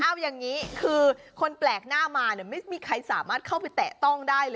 เหรออย่างนี้คุณแปลกหน้ามาไม่มีใครสามารถเข้าไปแตะต้องได้